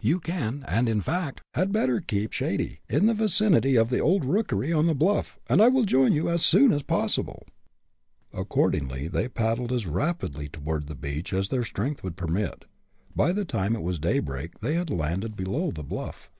You can, and in fact, had better keep shady, in the vicinity of the old rookery on the bluff, and I will join you, as soon as possible." Accordingly they paddled as rapidly toward the beach as their strength would permit. By the time it was daybreak they had landed below the bluff.